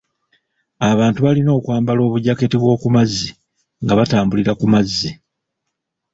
Abantu balina okwambala obujaketi bw'okumazzi nga batambulira ku mazzi.